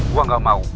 gue gak mau